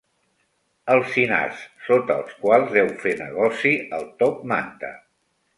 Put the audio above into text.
Alzinars sota els quals deu fer negoci el top manta.